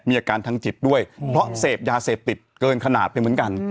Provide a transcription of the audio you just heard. มีอาการทางจิตด้วยเพราะเสพยาเสพติดเกินขนาดไปเหมือนกัน